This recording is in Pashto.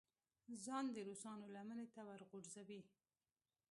ځان د روسانو لمنې ته وغورځوي.